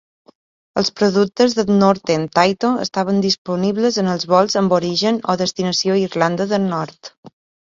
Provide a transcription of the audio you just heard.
Els productes de Northern Tayto estaven disponibles en els vols amb origen o destinació Irlanda del Nord.